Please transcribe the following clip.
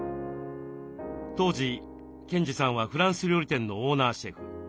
当時賢治さんはフランス料理店のオーナーシェフ。